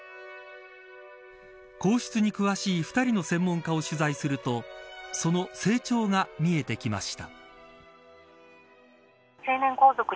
皇室に詳しい２人の専門家を取材するとその成長が見えてきました。